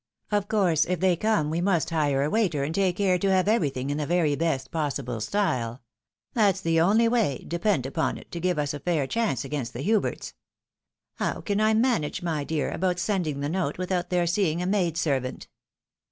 Of course, if they come, we must hire a waiter, and take care to have everything in the very best possible style. That's the only way, depend upon it, to give us a fair chance 158 THE WIDOTV MARRIED. against the Huberts. How can I manage, my dear, about send ing the note, without their seeing a maid servant